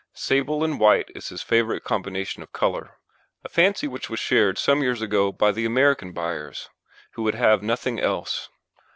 Sable and white is his favourite combination of colour, a fancy which was shared some years ago by the American buyers, who would have nothing else.